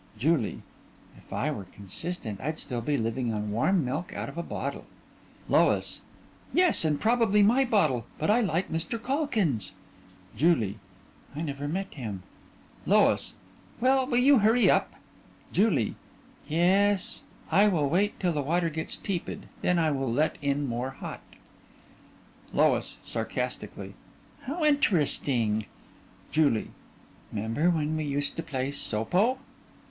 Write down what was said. JULIE: If I were consistent I'd still be living on warm milk out of a bottle. LOIS: Yes, and probably my bottle. But I like Mr. Calkins. JULIE: I never met him. LOIS: Well, will you hurry up? JULIE: Yes. (After a pause) I wait till the water gets tepid and then I let in more hot. LOIS: (Sarcastically) How interesting! JULIE: 'Member when we used to play "soapo"?